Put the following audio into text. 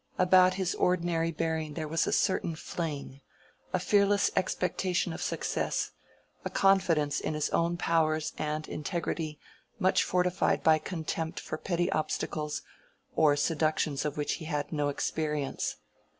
About his ordinary bearing there was a certain fling, a fearless expectation of success, a confidence in his own powers and integrity much fortified by contempt for petty obstacles or seductions of which he had had no experience.